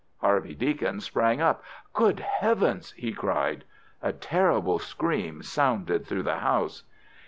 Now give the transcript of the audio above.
Harvey Deacon sprang up. "Good heavens!" he cried. A terrible scream sounded through the house.